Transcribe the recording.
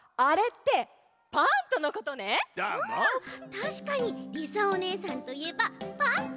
たしかにりさおねえさんといえば「パント！」